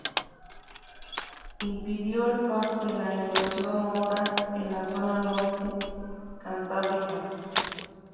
Impidió el paso de la invasión mora en la zona norte cantábrica.